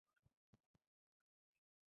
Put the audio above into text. টাকা কি গাছে জন্মায়?